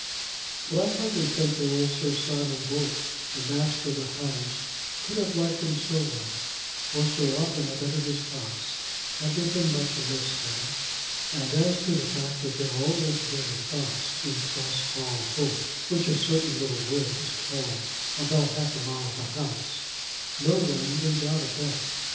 But I hardly think that old Sir Simon Bolt, the master of the hounds, could have liked him so well, or so often have entered his house, had there been much amiss there; and as to the fact of there always being a fox in Cross Hall Holt, which a certain little wood was called about half a mile of the house, no one even doubted that.